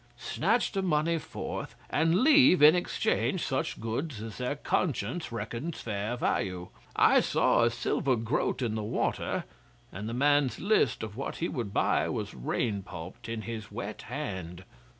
snatch the money forth, and leave in exchange such goods as their conscience reckons fair value. I saw a silver groat in the water, and the man's list of what he would buy was rain pulped in his wet hand.